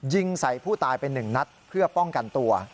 ยิงใส่ผู้ตายไป๑นัดเพื่อป้องกันตัว